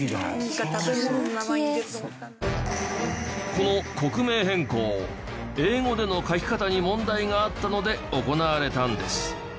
この国名変更英語での書き方に問題があったので行われたんです。